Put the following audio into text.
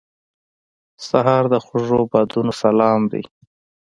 سهار د خوږو بادونو سلام دی.